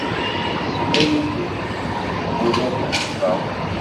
Isfel-d icbula d iqeffa.